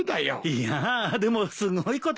いやでもすごいことですよ。